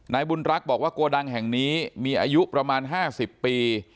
นายบุญรักษ์บอกว่าโกดังแห่งนี้มีอายุประมาณ๕๐ปี